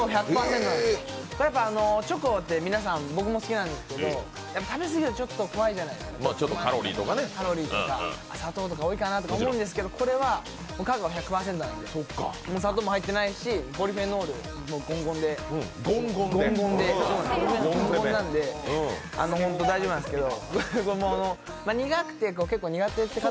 チョコって、僕も好きなんですけど食べ過ぎるとちょっと怖いじゃないですか、カロリーとか砂糖とか多いかなと思うんですけどこれはカカオ１００％なので砂糖も入ってないしポリフェノールもゴンゴンなんで大丈夫なんですけど苦くて結構苦手って方。